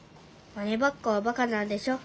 マネばっかはばかなんでしょ。